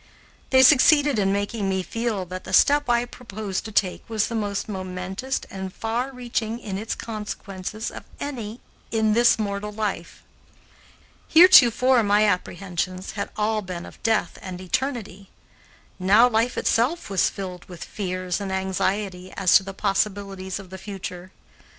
They succeeded in making me feel that the step I proposed to take was the most momentous and far reaching in its consequences of any in this mortal life. Heretofore my apprehensions had all been of death and eternity; now life itself was filled with fears and anxiety as to the possibilities of the future.